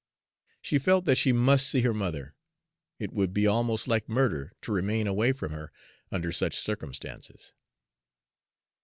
She felt that she must see her mother, it would be almost like murder to remain away from her under such circumstances.